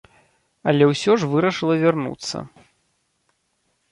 Але ўсё ж вырашыла вярнуцца.